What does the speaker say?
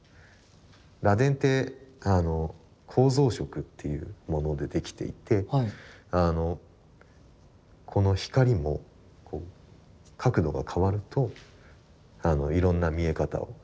螺鈿って構造色というものでできていてこの光も角度が変わるといろんな見え方をします。